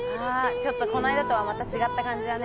ちょっとこの間とはまた違った感じだね